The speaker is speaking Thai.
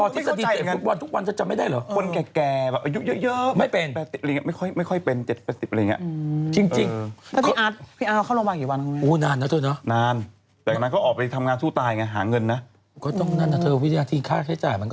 ถ้าเป็นคนที่มันไม่ค่อยแข็งแรงมันไม่ค่อยเช่น